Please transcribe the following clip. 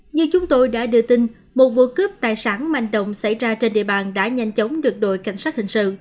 như chúng tôi đã đưa tin một vụ cướp tài sản manh động xảy ra trên địa bàn đã nhanh chóng được đội cảnh sát hình sự